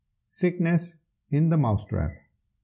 SICKNESS IN THE MOUSE TRAP.